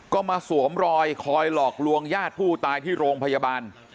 ก็มาสวมรอยคอยหลอกลวงญาติผู้ตายที่โรงพยาบาล